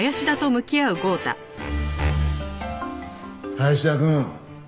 林田くん。